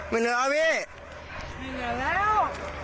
ไม่เหนือแล้วมี่ไม่เหนือแล้ว